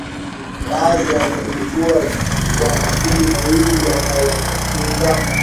baada ya kuibuka kwa makundi mawili yanayokinzana